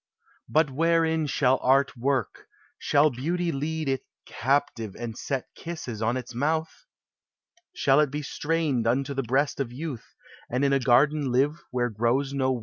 But wherein shall art work? Shall beauty lead It captive, and set kisses <>n its mouth? Shall it be strained unto the brea8l of youth. And in a garden live where grows no w.